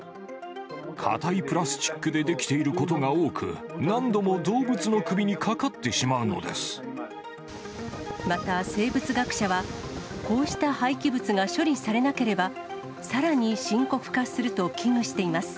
硬いプラスチックで出来ていることが多く、何度も動物の首にかかまた生物学者は、こうした廃棄物が処理されなければ、さらに深刻化すると危惧しています。